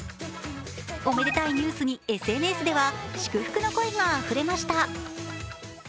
おめでたいニュースに、ＳＮＳでは祝福の声があふれました。